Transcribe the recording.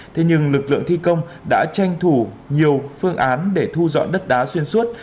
thế nhưng lực lượng thi công đã tranh thủ nhiều phương án để thu dọn đất đá xuyên suốt